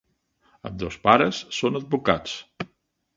Ambdós pares són advocats.